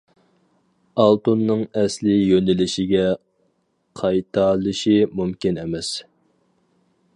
ئالتۇننىڭ ئەسلى يۆنىلىشىگە قايتالىشى مۇمكىن ئەمەس.